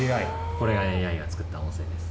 これがＡＩが作った音声です。